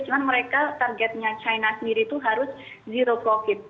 cuma mereka targetnya china sendiri itu harus zero covid